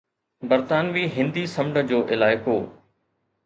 برطانوي هندي سمنڊ جو علائقو